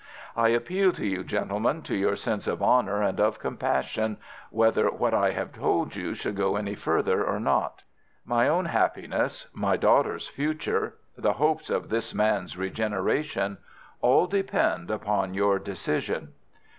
I appeal to you, gentlemen, to your sense of honour and of compassion, whether what I have told you should go any farther or not. My own happiness, my daughter's future, the hopes of this man's regeneration, all depend upon your decision."